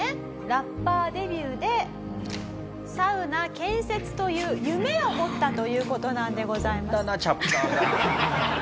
ラッパーデビューでサウナ建設という夢を持ったという事なんでございます。